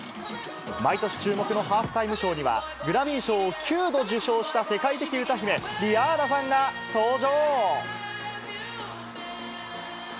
毎年注目のハーフタイムショーには、グラミー賞を９度受賞した世界的歌姫、リアーナさんが登場。